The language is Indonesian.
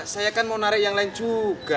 saya kan mau narik yang lain juga